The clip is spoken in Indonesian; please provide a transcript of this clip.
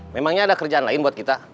memangnya ada kerjaan lain buat kita